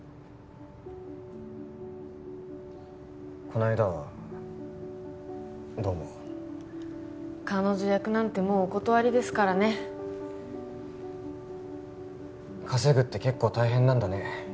この間はどうも彼女役なんてもうお断りですからね稼ぐって結構大変なんだね